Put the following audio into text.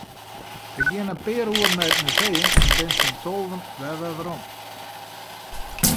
Ik gean in pear oeren nei it museum en bin tsjin tolven wer werom.